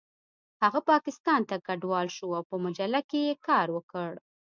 هغه پاکستان ته کډوال شو او په مجله کې یې کار وکړ